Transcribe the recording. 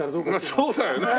そうだよね。